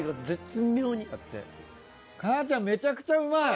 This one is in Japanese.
母ちゃんめちゃくちゃうまい！